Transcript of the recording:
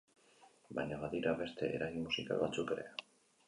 Baina badira beste eragin musikal batzuk ere.